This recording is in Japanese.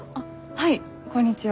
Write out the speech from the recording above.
はいこんにちは。